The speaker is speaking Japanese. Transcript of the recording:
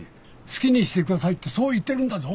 好きにしてくださいってそう言ってるんだぞ。